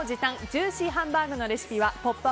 ジューシーハンバーグのレシピは「ポップＵＰ！」